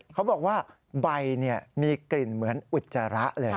เขาบอกว่าใบมีกลิ่นเหมือนอุจจาระเลย